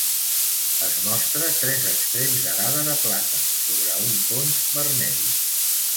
Es mostra tres extrems d'arada de plata sobre un fons vermell.